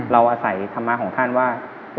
เราอาศัยธรรมะของท่านว่า